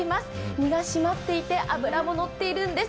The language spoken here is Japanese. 身が締まっていて脂ものっているんです。